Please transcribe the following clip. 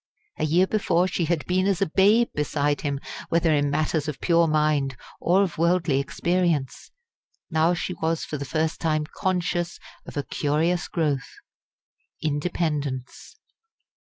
A year before she had been as a babe beside him, whether in matters of pure mind or of worldly experience. Now she was for the first time conscious of a curious growth independence.